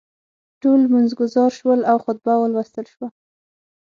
ټول لمونځ ګزار شول او خطبه ولوستل شوه.